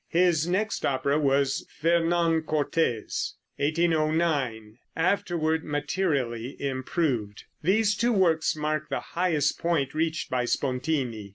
His next opera was "Fernand Cortez," (1809), afterward materially improved. These two works mark the highest point reached by Spontini.